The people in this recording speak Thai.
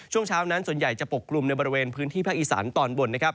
ช่วงเช้านั้นส่วนใหญ่จะปกกลุ่มในบริเวณพื้นที่ภาคอีสานตอนบนนะครับ